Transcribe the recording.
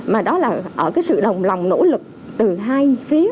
mà đó là ở cái sự đồng lòng nỗ lực từ hai phía